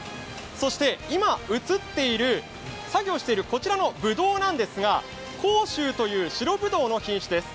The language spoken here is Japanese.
そして今、映っている、作業しているこちらのぶどうなんですが甲州という白ぶどうの品種です。